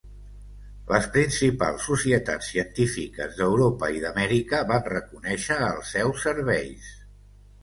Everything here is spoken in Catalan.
Les principals societats científiques d'Europa i d'Amèrica van reconèixer els seus serveis.